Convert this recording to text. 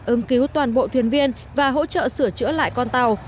ứng cứu toàn bộ thuyền viên và hỗ trợ sửa chữa lại con tàu